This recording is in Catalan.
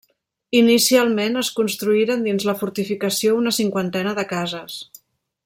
Inicialment es construïren dins la fortificació una cinquantena de cases.